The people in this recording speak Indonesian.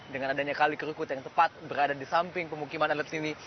dengan adanya kali kerukut yang tepat berada di samping pemukiman adat sini